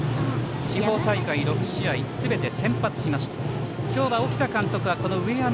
地方大会、６試合すべて先発しました上山。